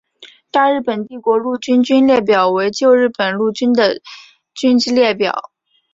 大日本帝国陆军军列表为旧日本陆军的军之列表。